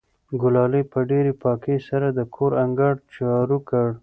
ګلالۍ په ډېرې پاکۍ سره د کور انګړ جارو کړ.